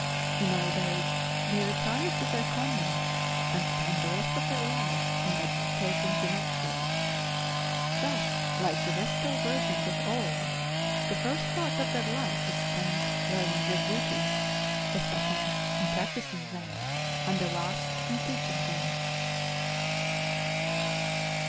In old age they retire to their convents and spend the rest of their lives in educating the novitiates. Thus, like the vestal virgins of old, the first part of their life is spent learning their duties, the second in practicing them, and the last in teaching them.